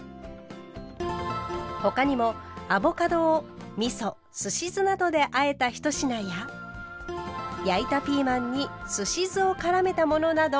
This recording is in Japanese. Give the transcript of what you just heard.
他にもアボカドをみそすし酢などであえた一品や焼いたピーマンにすし酢をからめたものなど。